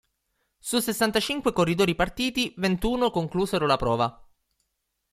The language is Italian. Su sessantacinque corridori partiti, ventuno conclusero la prova.